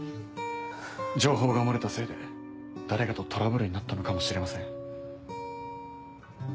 情報が漏れたせいで誰かとトラブルになったのかもしれません。